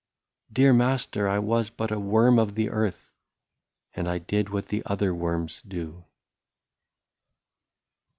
'*—" Dear master, I was but a worm of the earth, And I did what the other worms do."